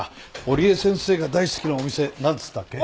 織枝先生が大好きなお店なんつったっけ？